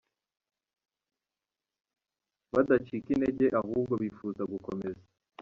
Badacika intege ahubwo bifuza gukomeza.